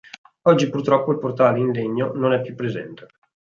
Oggi purtroppo il portale in legno non è più presente.